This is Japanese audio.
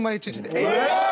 えっ？